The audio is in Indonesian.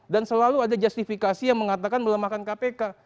dan selalu ada justifikasi yang mengatakan melemahkan kpk